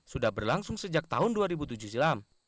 sudah berlangsung sejak tahun dua ribu tujuh silam